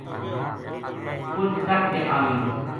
کجھ کڈھ کے آنیو